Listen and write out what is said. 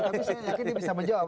tapi saya yakin dia bisa menjawab